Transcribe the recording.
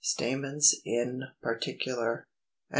STAMENS IN PARTICULAR. 281.